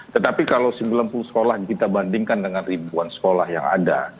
tetapi kalau sembilan puluh sekolah kita bandingkan dengan ribuan sekolah yang ada